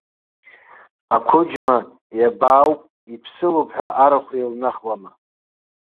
Ақәыџьма, иабаауп, иԥсылоуп ҳәа арахә еилнахуама!